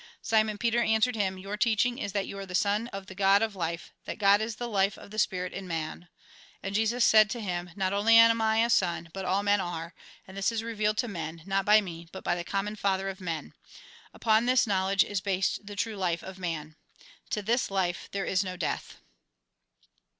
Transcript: Simon Peter answered him :" Your teaching is that you are the Son of the God of life ; that God is the life of the spirit in man." And Jesus said A RECAPITULATION 155 to him :" Not only I am a son, but all men are ; and this is revealed to men, not by me, but by the common Father of men. Upon this knowledge is based the true life of man. To this life there is no death."